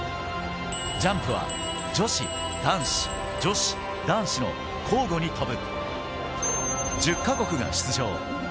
ジャンプは女子、男子、女子、男子の交互に飛ぶ１０か国が出場。